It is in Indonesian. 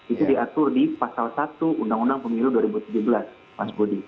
itu diatur di pasal satu undang undang pemilu dua ribu tujuh belas mas budi